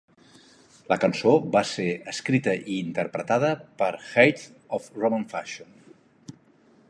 La cançó va ser escrita i interpretada per Height of Roman Fashion.